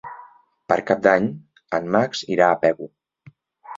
Per Cap d'Any en Max irà a Pego.